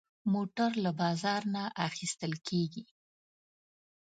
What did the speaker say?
موټر له بازار نه اخېستل کېږي.